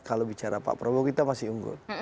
kalau bicara pak prabowo kita masih unggul